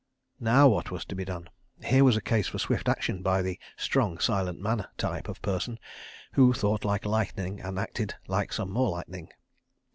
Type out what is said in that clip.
..." Now what was to be done? Here was a case for swift action by the "strong silent man" type of person who thought like lightning and acted like some more lightning.